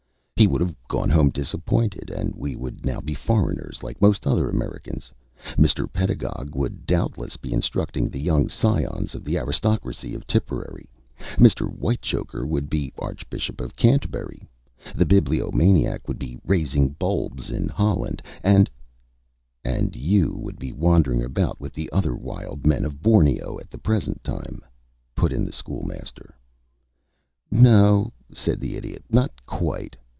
"He would have gone home disappointed, and we would now be foreigners, like most other Americans. Mr. Pedagog would doubtless be instructing the young scions of the aristocracy of Tipperary, Mr. Whitechoker would be Archbishop of Canterbury, the Bibliomaniac would be raising bulbs in Holland, and " [Illustration: "THE BIBLIOMANIAC WOULD BE RAISING BULBS"] "And you would be wandering about with the other wild men of Borneo at the present time," put in the School Master. "No," said the Idiot. "Not quite.